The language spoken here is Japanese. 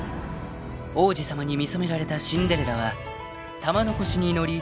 ［王子様に見初められたシンデレラは玉のこしに乗り